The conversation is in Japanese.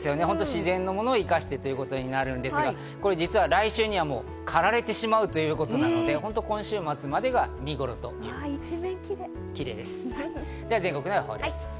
自然のものを生かしてとなるんですが、来週にはもう刈られてしまうということなので、今週末までが見ごろということです。